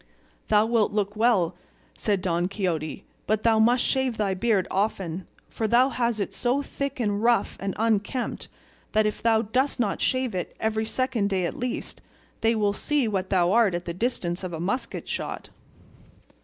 "Thou wilt look well," said Don Quixote, "but thou must shave thy beard often, for thou hast it so thick and rough and unkempt, that if thou dost not shave it every second day at least, they will see what thou art at the distance of a musket shot."